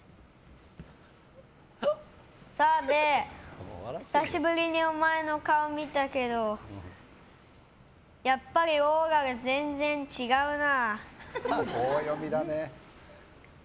澤部、久しぶりにお前の顔見たけどやっぱり、オーラが全然違うな。